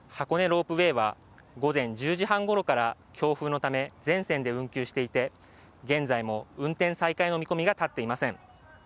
ロープウェイは午前１０時半ごろから強風のため全線で運休していて現在も運転再開の見込みが立っていません。